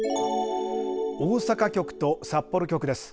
大阪局と札幌局です。